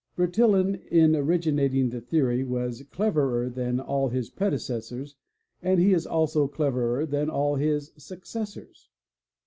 Bertillon in originating the theory was cleverer than all his predecessors and he is also cleverer than all his successors.